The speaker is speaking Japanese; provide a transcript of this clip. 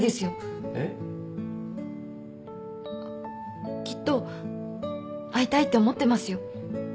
えっ？あっきっと会いたいって思ってますよ。